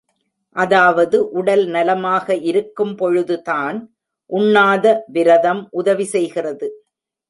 அதாவது உடல் நலமாக இருக்கும் பொழுதுதான், உண்ணாத விரதம் உதவி செய்கிறது.